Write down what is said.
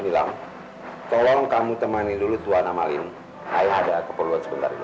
nilam tolong kamu temani dulu tuan amalin saya ada keperluan sebentar dulu